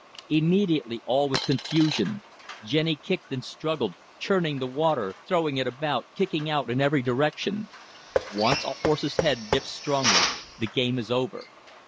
Immediately all was confusion. Jenny kicked and struggled, churning the water, throwing it about, kicking out in every direction. Once a horse's head dips strongly, the game is over.